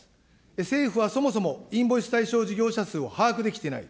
政府はそもそもインボイス事業対象者数を把握できていない。